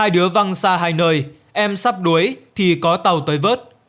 hai đứa văng xa hai nơi em sắp đuối thì có tàu tới vớt